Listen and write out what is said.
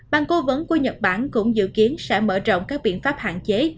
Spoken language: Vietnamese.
bang cố vấn của nhật bản cũng dự kiến sẽ mở rộng các biện pháp hạn chế